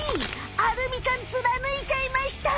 アルミ缶つらぬいちゃいました！